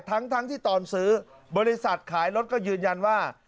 ทั้งที่ตอนซื้อบริษัทขายรถก็ยืนยันว่า